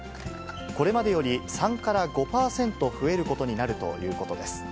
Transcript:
これまでより３から５％増えることになるということです。